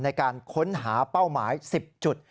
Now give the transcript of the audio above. ในการค้นหาเป้าหมาย๑๐จุด